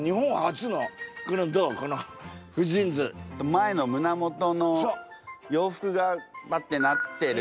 前の胸元の洋服がパッてなってる